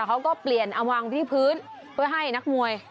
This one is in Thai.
เขาก็เปลี่ยนเอาวางที่พื้นเพื่อให้นักมวย